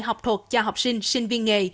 học thuật cho học sinh sinh viên nghề